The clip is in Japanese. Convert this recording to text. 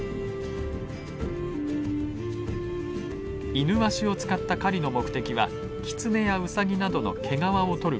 イヌワシを使った狩りの目的はキツネやウサギなどの毛皮を取る事です。